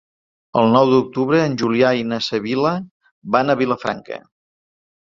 El nou d'octubre en Julià i na Sibil·la van a Vilafranca.